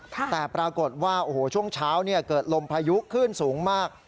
แต่ปรากฏว่าโอ้โหช่วงเช้าเกิดลมพายุขึ้นสูงมาก